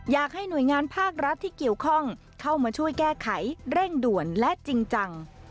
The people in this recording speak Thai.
อยากให้หน่วยงานภาครัฐที่เกี่ยวข้องเข้ามาช่วยแก้ไขเร่งด่วนและจริงจัง